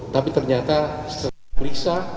tapi ternyata setelah diperiksa